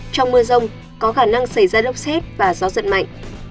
trong mưa rông có khả năng xảy ra lốc xét và gió giật mạnh